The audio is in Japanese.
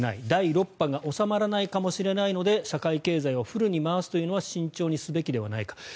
第６波が収まらないかもしれないので社会経済をフルに回すのは慎重にすべきではないか。